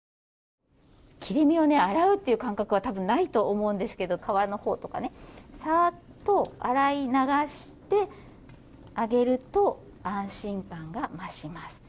切り身を洗うという感覚は多分ないと思うんですけど皮のほうとかさっと洗い流してあげると安心感が増します。